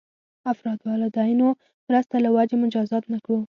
افراد والدینو مرسته له وجې مجازات نه کړو.